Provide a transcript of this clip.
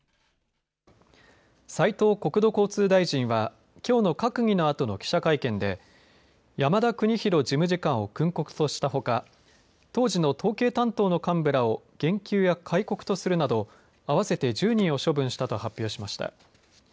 斉藤国土交通大臣はきょうの閣議のあとの記者会見で山田邦博事務次官を訓告としたほか、当時の統計担当の幹部らを減給や戒告とするなど合わせて１０人を処分したと発表しました。